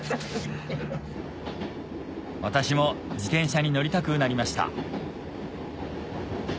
私も自転車に乗りたくなりました